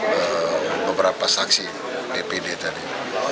beberapa saksi dpd tadi